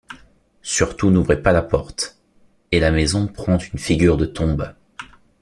Surtout n’ouvrez pas la porte. — Et la maison prend une figure de tombe.